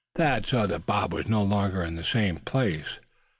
Thad saw that Bob was no longer in the same place.